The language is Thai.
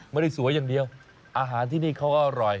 ไม่ได้สวยอย่างเดียวอาหารที่นี่เขาอร่อย